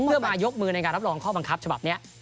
เพื่อมายกมือในการรับรองข้อบังคับฉบับนี้